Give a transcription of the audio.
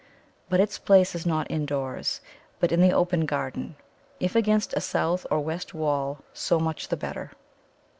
But its place is not indoors, but in the open garden; if against a south or west wall, so much the better.